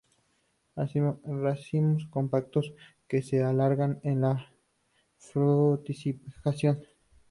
Racimos compactos que se alargan en la fructificación.